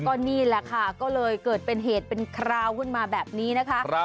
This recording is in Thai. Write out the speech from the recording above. ก็นี่แหละค่ะก็เลยเกิดเป็นเหตุเป็นคราวขึ้นมาแบบนี้นะคะ